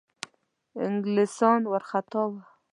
انګلیسیان وارخطا وه.